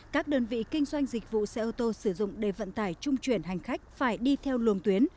các đơn vị kinh doanh dịch vụ xe ô tô sử dụng để vận tải trung chuyển hành khách phải đi theo luồng tuyến